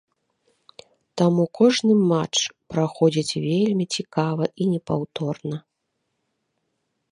Таму кожны матч праходзіць вельмі цікава і непаўторна.